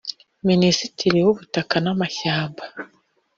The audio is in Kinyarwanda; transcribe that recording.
Minisitiri w’Ubutaka n’Amashyamba